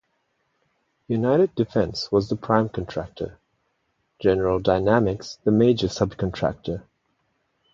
United Defense was the prime contractor; General Dynamics the major subcontractor.